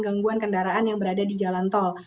gangguan kendaraan yang berada di jalan tol